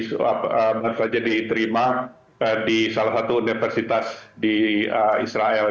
yang mengikuti baru saja diterima di salah satu universitas di israel